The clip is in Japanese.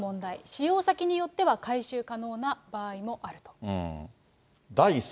使用先によっては回収可能な場合もあると。